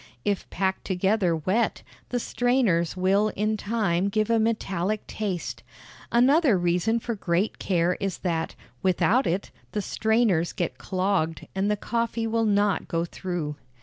If packed together wet, the strainers will in time give a metallic taste. Another reason for great care is that, without it, the strainers get clogged and the coffee will not go through.